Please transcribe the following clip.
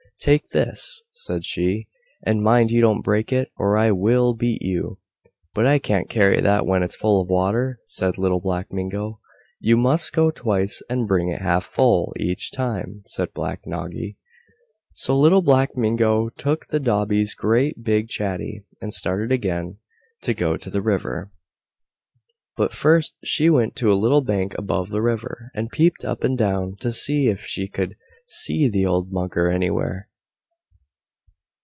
"Take this," said she, "and mind you don't break it, or I WILL beat you." "But I can't carry that when it is full of water," said Little Black Mingo. "You must go twice, and bring it half full each time," said Black Noggy. So Little Black Mingo took the dhobi's great big chatty, and started again to go to the river. But first she went to a little bank above the river, and peeped up and down, to see if she could see the old Mugger anywhere.